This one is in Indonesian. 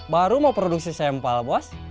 baru mau produksi sampel bos